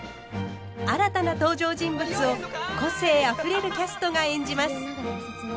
新たな登場人物を個性あふれるキャストが演じます。